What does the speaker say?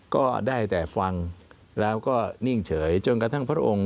ก็ได้แต่ฟังแล้วก็นิ่งเฉยจนกระทั่งพระองค์